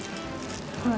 はい。